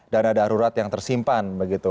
dana darurat yang tersimpan begitu